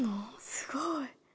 すごい。